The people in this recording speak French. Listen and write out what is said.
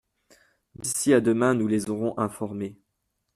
D’ici à demain nous les aurons informés.